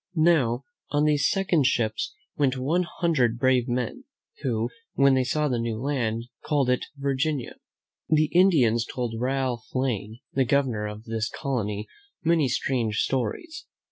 Now, on these second ships went one hundred brave men, who, when they saw the new land, called it Virginia. The Indians told Ralph Lane, the Governor of this colony, many strange stories.